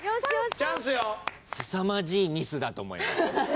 すさまじいミスだと思います。